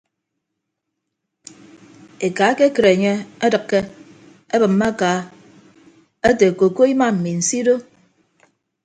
Eka ekekịt enye edịkke ebịmme aka ete koko ima mi nsido.